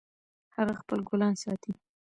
هغه خپل ګلان ساتي